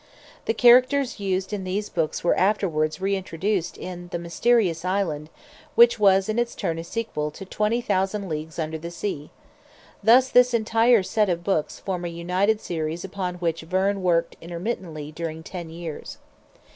The characters used in these books were afterwards reintroduced in "The Mysterious Island," which was in its turn a sequel to "Twenty Thousand Leagues Under the Sea." Thus this entire set of books form a united series upon which Verne worked intermittently during ten years.